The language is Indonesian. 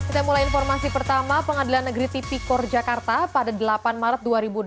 kita mulai informasi pertama pengadilan negeri tipikor jakarta pada delapan maret dua ribu delapan belas